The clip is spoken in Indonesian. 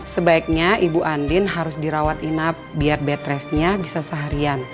sebaiknya ibu andin harus dirawat inap biar betresnya bisa seharian